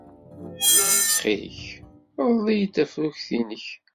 Ttxil-k, rḍel-iyi-d tafrut-nnek.